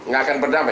gak akan berdamai